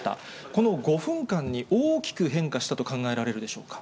この５分間に大きく変化したと考えられるでしょうか。